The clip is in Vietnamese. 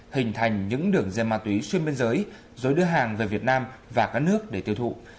hình thành những đường dây ma túy xuyên biên giới rồi đưa hàng về việt nam và các nước để tiêu thụ